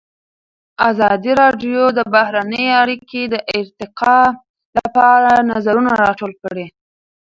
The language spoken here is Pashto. ازادي راډیو د بهرنۍ اړیکې د ارتقا لپاره نظرونه راټول کړي.